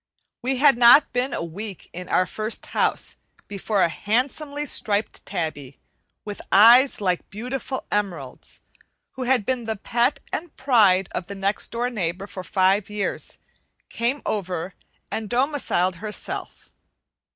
We had not been a week in our first house before a handsomely striped tabby, with eyes like beautiful emeralds, who had been the pet and pride of the next door neighbor for five years, came over and domiciled herself.